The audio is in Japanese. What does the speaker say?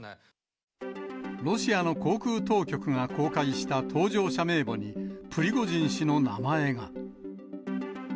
ロシアの航空当局が公開した搭乗者名簿に、プリゴジン氏の名前が。